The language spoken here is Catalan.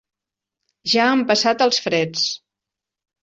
Ja han passat els freds.